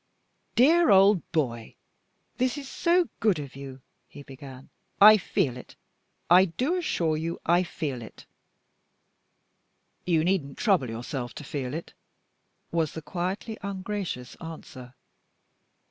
"Dear old boy! This is so good of you," he began. "I feel it I do assure you I feel it!" "You needn't trouble yourself to feel it," was the quietly ungracious answer.